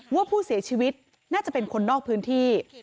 ว่าผู้เสียชีวิตน่าจะเป็นคนนอกพื้นที่